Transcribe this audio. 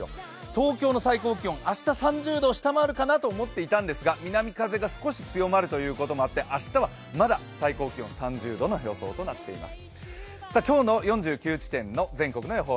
東京の最高気温、明日３０度を下回るかなと思っていたんですが南風が少し強まるということもあって明日はまだ最高気温、３０度の予想となっています。